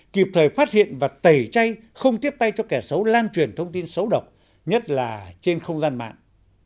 kịp thời phát hiện và tẩy chay không tiếp tay cho kẻ xấu lan truyền thông tin xấu độc nhất là trên không gian mạng